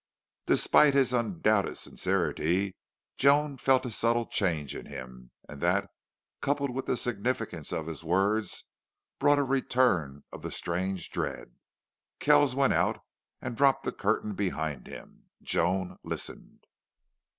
Despite his undoubted sincerity Joan felt a subtle change in him, and that, coupled with the significance of his words, brought a return of the strange dread. Kells went out and dropped the curtain behind him. Joan listened.